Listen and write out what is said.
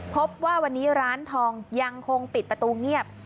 พบว่าวันนี้ร้านทองยังคงปิดประตูเงียบ